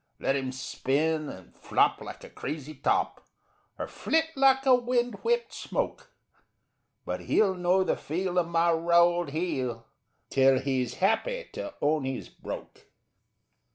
Let 'im spin and flop like a crazy top Or flit like a wind whipped smoke, But he'll know the feel of my rowelled heel Till he's happy to own he's broke.